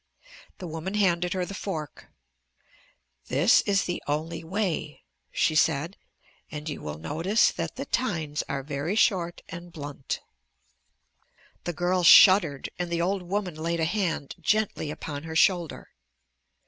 The woman handed her the fork. "This is the only way," she said, "and you will notice that the tines are very short and blunt." The girl shuddered and the old woman laid a hand gently upon her shoulder.